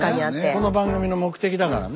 この番組の目的だからね。